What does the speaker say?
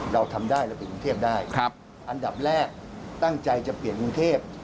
เราทำได้เราเปลี่ยนกรุงเทพได้อันดับแรกตั้งใจจะเปลี่ยนกรุงเทพ